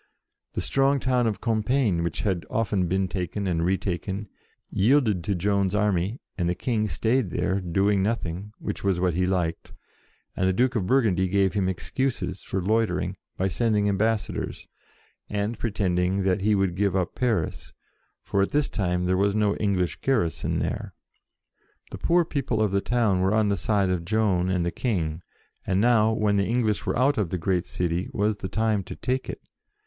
The strong town of Compiegne, which had often been taken and retaken, yielded to Joan's army, and the King stayed there, doing nothing, which was what he liked, and the Duke of Burgundy gave him excuses for loitering by sending ambassa dors, and pretending that he would give up Paris, for at this time there was no BETRAYED 73 English garrison there. The poor people of the town were on the side of Joan and the King, and now, when the English were out of the great city, was the time to take it.